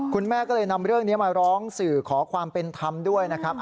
คุณแม่ก็เลยนำเรื่องนี้มาร้องสื่อขอความเป็นธรรมด้วยนะครับ